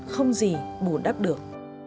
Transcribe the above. không gì bù đắp được